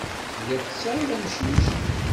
Telliḍ tesɛiḍ amcic.